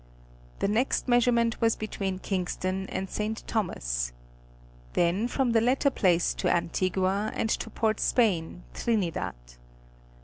The next measurement was between Kingston and St. Thomas. Then from the latter place to Anti gua and to Port Spain, Trinidad.